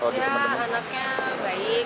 dia anaknya baik